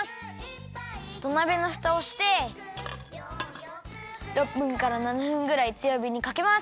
土鍋のふたをして６分から７分ぐらいつよびにかけます。